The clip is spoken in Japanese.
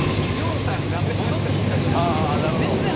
亮さんが戻ってきたときに。